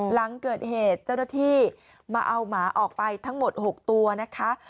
หลังเกิดเหตุเจ้าหน้าที่มาเอาหมาออกไปทั้งหมด๖ตัวนะคะ